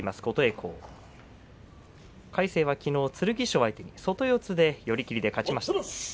琴恵光魁聖はきのう剣翔相手に外四つで寄り切りで勝ちました。